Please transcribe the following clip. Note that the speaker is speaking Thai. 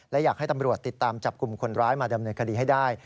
และอยากให้ตำรวจติดตามจับกลุ่มคนร้ายมาดำเนินคดีให้ได้